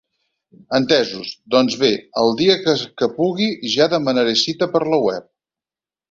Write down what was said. Entesos, doncs bé el dia que pugui ja demanaré cita per la web.